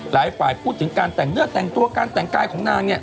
หลายฝ่ายพูดถึงการแต่งเนื้อแต่งตัวการแต่งกายของนางเนี่ย